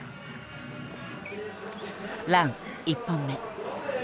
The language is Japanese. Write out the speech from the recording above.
ラン１本目。